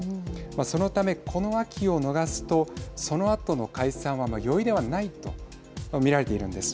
そのため、この秋を逃すとそのあとの解散は容易ではないと見られているんです。